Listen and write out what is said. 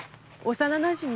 「幼なじみ」？